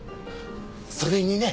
それにね